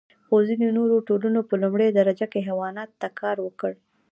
خو ځینو نوو ټولنو په لومړۍ درجه کې حیواناتو ته کار ورکړ.